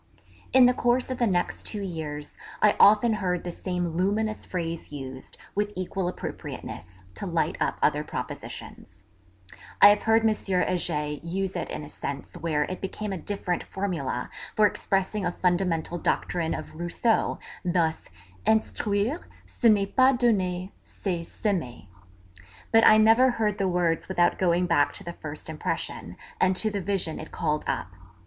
In the course of the next two years I often heard the same luminous phrase used, with equal appropriateness, to light up other propositions. (I have heard M. Heger use it in a sense where it became a different formula for expressing a fundamental doctrine of Rousseau, thus, 'Instruire, ce n'est pas donner, c'est semer,' but I never heard the words without going back to the first impression, and to the vision it called up.